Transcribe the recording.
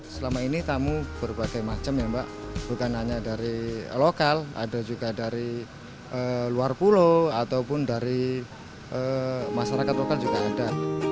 selama ini tamu berbagai macam ya mbak bukan hanya dari lokal ada juga dari luar pulau ataupun dari masyarakat lokal juga ada